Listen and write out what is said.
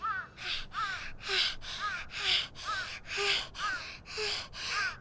はあはあはあはあ。